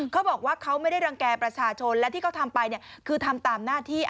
เขาบอกว่าเขาไม่ได้รังแก่ประชาชนและที่เขาทำไปคือทำตามหน้าที่